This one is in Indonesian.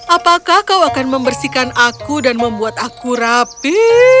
apakah kau akan membersihkan aku dan membuat aku rapi